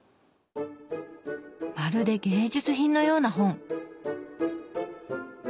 まるで芸術品のような本。